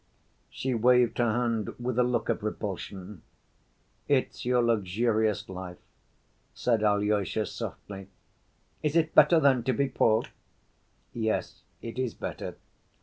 She waved her hand with a look of repulsion. "It's your luxurious life," said Alyosha, softly. "Is it better, then, to be poor?" "Yes, it is better."